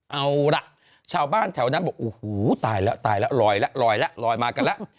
เอาล่ะชาวบ้านแถวนั้นบอกโอ้โหตายแล้วตายแล้วลอยแล้วลอยแล้วลอยมากันแล้ว